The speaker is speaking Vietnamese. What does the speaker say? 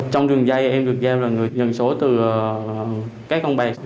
trong đường dây em được giao là người nhận số từ các ông bè